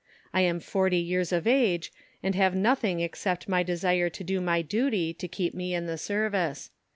I am 40 years of age, and have had nothing except my desire to do my duty to keep me in the Service.